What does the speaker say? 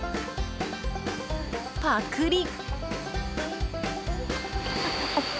パクリ！